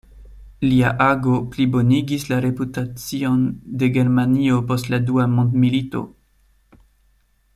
Lia ago plibonigis la reputacion de Germanio post la dua mondmilito.